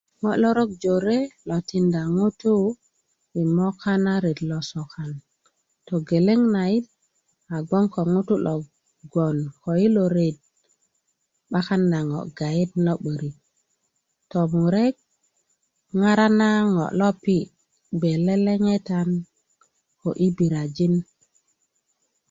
ŋo lorok jore lo tinda ŋutuu yi moka na ret lo sokan togeleŋ nait a gboŋ ko ŋutu' lo gboŋ ko yilo ret 'bakan na ŋo' gayet lo 'borik tomurek ŋara na ŋo lo pi' bge leleŋetan ko ibirajin